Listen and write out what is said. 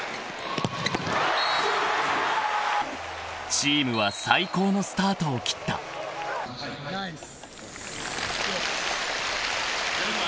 ［チームは最高のスタートを切った］・ナイス！